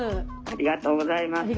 ありがとうございます。